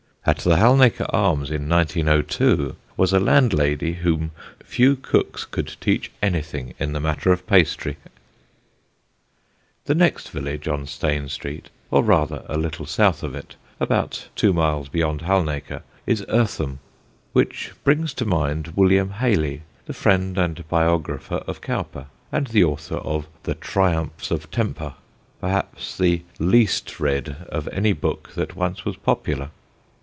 At the Halnaker Arms in 1902 was a landlady whom few cooks could teach anything in the matter of pastry. [Sidenote: THE EARTHAM DILLETANTE] The next village on Stane Street, or rather a little south of it, about two miles beyond Halnaker, is Eartham; which brings to mind William Hayley, the friend and biographer of Cowper and the author of The Triumphs of Temper, perhaps the least read of any book that once was popular.